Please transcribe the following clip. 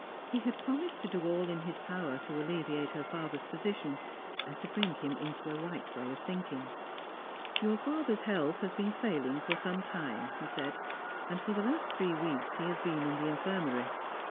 He had promised to do all in his power to alleviate her father's position, and to bring him into a right way of thinking. 'Your father's health has been failing for some time,' he said 'and for the last three weeks he has been in the infirmary.